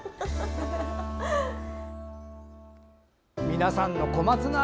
皆さんの小松菜愛